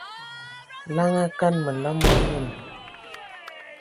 Laŋa kan məlam wa yəm.